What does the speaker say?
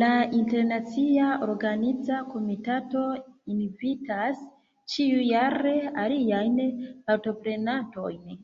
La internacia organiza komitato invitas ĉiujare aliajn partoprenantojn.